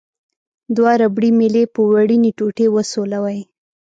دوه ربړي میلې په وړینې ټوټې وسولوئ.